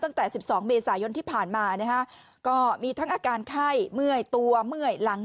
ตั้งแต่๑๒เมษายนที่ผ่านมานะฮะก็มีทั้งอาการไข้เมื่อยตัวเมื่อยหลัง